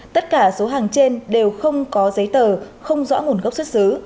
tất cả số hàng trên đều không có giấy tờ không rõ nguồn gốc xuất xứ